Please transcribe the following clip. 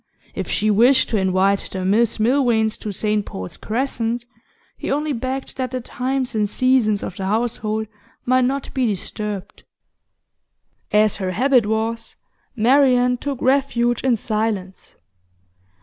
If she wished to invite the Miss Milvains to St Paul's Crescent, he only begged that the times and seasons of the household might not be disturbed. As her habit was, Marian took refuge in silence.